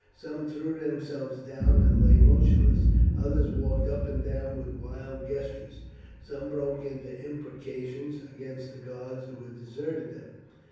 Some threw themselves down and lay motionless; others walked up and down with wild gestures; some broke into imprecations against the gods who had deserted them.